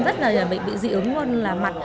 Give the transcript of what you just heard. rất là bị dị ứng luôn là mặt